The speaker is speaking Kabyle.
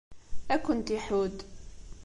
Ad kent-iḥudd.